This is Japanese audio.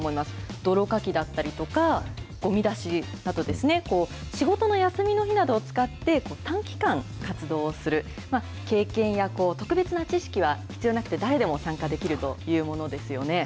泥かきだったりとか、ごみ出しなどですね、仕事の休みの日などを使って、短期間、活動をする、経験や特別な知識は必要なくて、誰でも参加できるというものですよね。